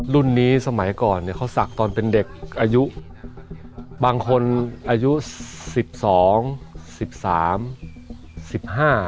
รุ่นนี้สมัยก่อนเนี้ยเขาศักดิ์ตอนเป็นเด็กอายุบางคนอายุสิบสองสิบสามสิบห้า